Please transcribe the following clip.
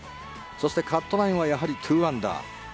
そしてカットラインはやはり２アンダー。